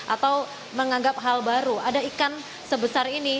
atau menganggap hal baru ada ikan sebesar ini